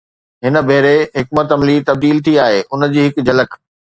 هن ڀيري حڪمت عملي تبديل ٿي آهي، ان جي هڪ جھلڪ